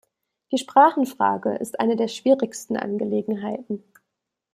Die Sprachenfrage ist eine der schwierigsten Angelegenheiten.